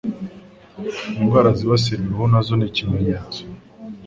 Indwara zibasira uruhu nazo nikimenyetso